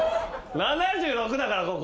７６だからここ。